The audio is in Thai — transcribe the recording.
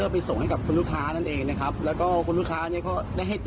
ไปส่งให้กับคุณลูกค้านั่นเองนะครับแล้วก็คุณลูกค้าเนี่ยก็ได้ให้ติ